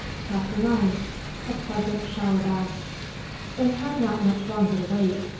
CHAPTER NINE. A PLEASANT SHOWER BATH. They had not much longer to wait.